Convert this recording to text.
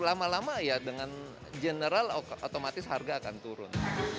lama lama ya dengan general otomatis harga akan turun